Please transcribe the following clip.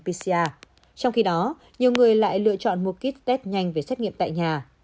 trong khi đó nhiều người lại lựa chọn mua kit test nhanh về xét nghiệm tại nhà